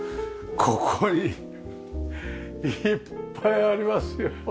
ここにいっぱいありますよ。